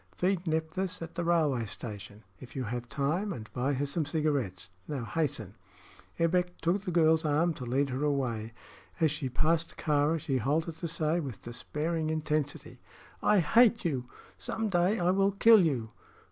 Feed Nephthys at the railway station, if you have time, and buy her some cigarettes. Now hasten." Ebbek took the girl's arm to lead her away. As she passed Kāra she halted to say, with despairing intensity: "I hate you! Some day I will kill you."